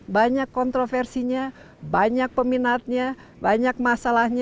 banyak kontroversinya banyak peminatnya banyak masalahnya